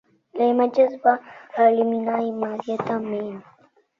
La imatge es va eliminar immediatament.